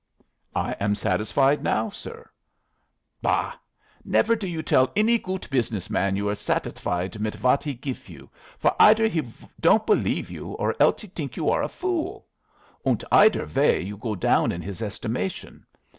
"I am satisfied now, sir." "Bah! Never do you tell any goot business man you are satisfied mit vat he gif you, for eider he don't believe you or else he think you are a fool. Und eider ways you go down in his estimation.